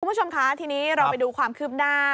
คุณผู้ชมคะทีนี้เราไปดูความคืบหน้า